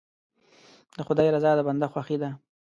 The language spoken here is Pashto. د خدای رضا د بنده خوښي ده.